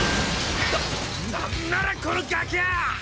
何ならこのガキァ！